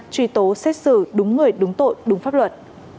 truy tố xét xử đúng người đúng tội đúng pháp luật